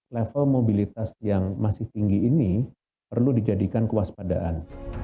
level mobilitas yang masih tinggi ini perlu dijadikan kewaspadaan